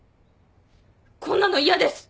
こんなの嫌です！